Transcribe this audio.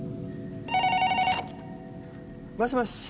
もしもし。